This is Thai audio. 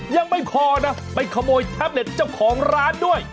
ยังไม่พอนะไปขโมยแท็บเล็ตเจ้าของร้านด้วย